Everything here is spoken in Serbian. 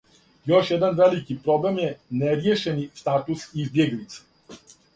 Још један велики проблем је неријешени статус избјеглица.